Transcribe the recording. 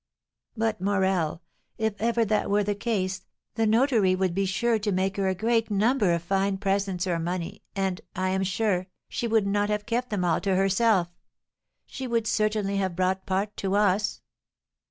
"But, Morel, if ever that were the case, the notary would be sure to make her a great number of fine presents or money, and, I am sure, she would not have kept them all to herself. She would certainly have brought part to us."